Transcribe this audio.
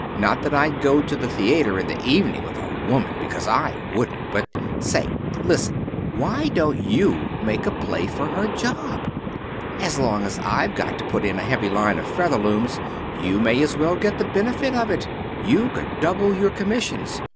Not that I'd go to the theater in the evening with a woman, because I wouldn't, but Say, listen. Why don't you make a play for her job? As long as I've got to put in a heavy line of Featherlooms you may as well get the benefit of it. You could double your commissions.